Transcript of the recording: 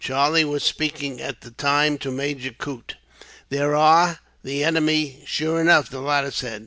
Charlie was speaking, at the time, to Major Coote. "There are the enemy, sure enough," the latter said.